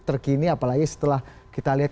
terkini apalagi setelah kita lihat